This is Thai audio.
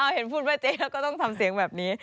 เห็นพูดว่าเจ๊แล้วก็ต้องทำเสียงแบบนี้